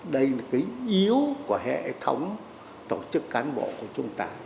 đây là cái yếu của hệ thống tổ chức cán bộ của chúng ta